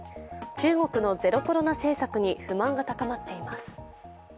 中国のゼロコロナ政策に不満が高まっています。